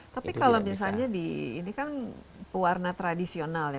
tapi kalau misalnya di ini kan pewarna tradisional ya